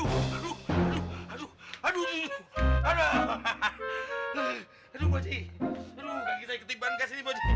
aduh aduh aduh aduh aduh aduh aduh aduh aduh aduh bu aji aduh kaki saya ketipan ke sini bu aji